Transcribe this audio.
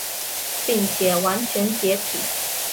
并且完全解体。